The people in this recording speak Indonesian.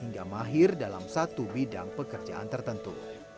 hingga mahir dalam satu bidang pekerjaan tertentu